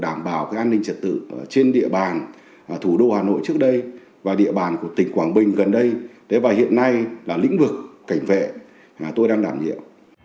trước đó tôi đã đảm bảo an ninh trật tự trên địa bàn thủ đô hà nội trước đây và địa bàn của tỉnh quảng bình gần đây và hiện nay là lĩnh vực cảnh vệ tôi đang đảm nhiệm